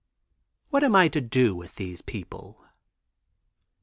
What am I to do with these people?